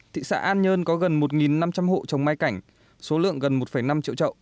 thị xã an nhơn có gần một năm trăm linh hộ trồng mai cảnh số lượng gần một năm triệu trậu